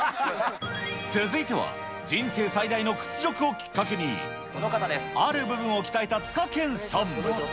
続いては、人生最大の屈辱をきっかけに、ある部分を鍛えたツカケンさん。